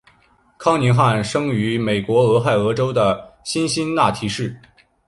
康宁汉生于美国俄亥俄州的辛辛那提市。